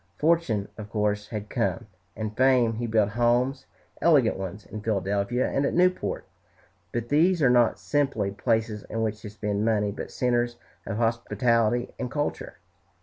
Fortune, of course, had come, and fame. He built homes, elegant ones, in Philadelphia and at Newport, but these are not simply places in which to spend money, but centres of hospitality and culture.